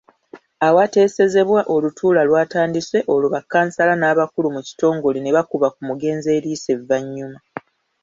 Awateesezebwa olutuula lwatandise olwo bakkansala n'abakulu mu kitongole nebakuba ku mugenzi eriiso evannyuma.